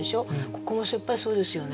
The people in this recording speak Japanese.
ここもやっぱりそうですよね。